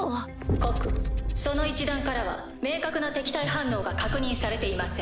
告その一団からは明確な敵対反応が確認されていません。